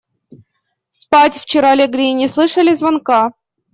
Спать вчера легли, не слышали звонка.